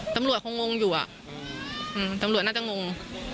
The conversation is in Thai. ตำรวจคงงงอยู่อ่ะอืมตำรวจน่าจะงง